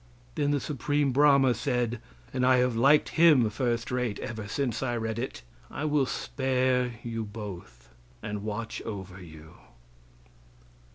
Then the Supreme Brahma said and I have liked him first rate ever since I read it "I will spare you both and watch over you."